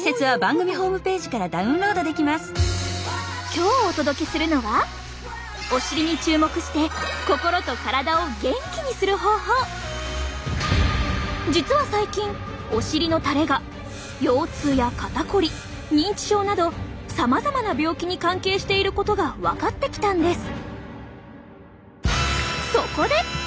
今日お届けするのは実は最近お尻のたれが腰痛や肩こり認知症などさまざまな病気に関係していることが分かってきたんです。